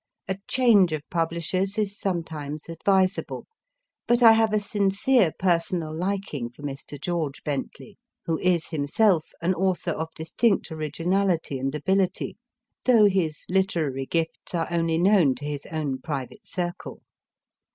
A change of publishers is sometimes advisable ; but I have a sincere personal liking for Mr. George Bentley, who is himself an author of distinct originality and ability, though his literary gifts are only known to his own private circle.